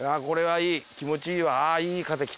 気持ちいいわ。